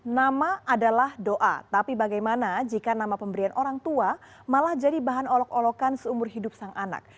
nama adalah doa tapi bagaimana jika nama pemberian orang tua malah jadi bahan olok olokan seumur hidup sang anak